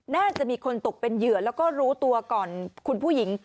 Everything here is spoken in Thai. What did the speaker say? น่าจะมีคนตกเป็นเหยื่อแล้วก็รู้ตัวก่อนคุณผู้หญิง